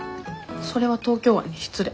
それは東京湾に失礼。